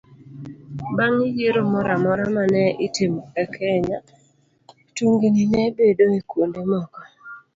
Bang' yiero moro amora ma ne itimo e Kenya, tungni ne bedoe kuonde moko